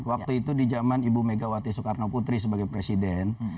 waktu itu di zaman ibu megawati soekarno putri sebagai presiden